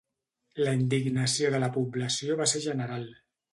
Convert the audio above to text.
La indignació de la població va ser general.